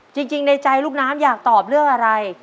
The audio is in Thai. จริงในใจลูกน้ำอยากตอบเรื่องอะไร